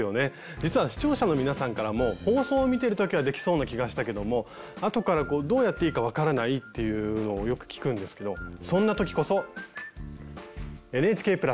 実は視聴者の皆さんからも放送を見てる時はできそうな気がしたけども後からどうやっていいか分からないっていうのをよく聞くんですけどそんな時こそ「ＮＨＫ＋」！